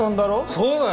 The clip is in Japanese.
そうだよ！